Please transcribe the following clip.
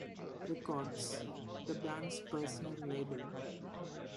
Records, the band's personal label.